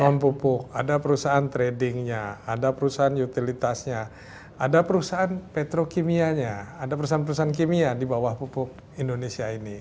non pupuk ada perusahaan tradingnya ada perusahaan utilitasnya ada perusahaan petrokimianya ada perusahaan perusahaan kimia di bawah pupuk indonesia ini